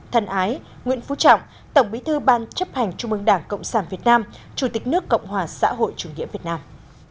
thân ái nguyễn phú trọng tổng bí thư ban chấp hành trung ương đảng cộng sản việt nam chủ tịch nước cộng hòa xã hội chủ nghĩa việt nam